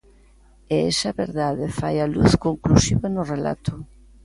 E esa verdade fai a luz conclusiva no relato.